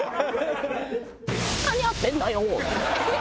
「何やってんだよ！」。